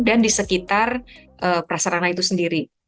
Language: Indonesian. dan di sekitar prasarana itu sendiri